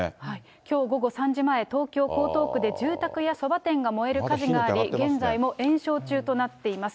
きょう午後３時前、東京・江東区で住宅やそば店が燃える火事があり、現在も延焼中となっています。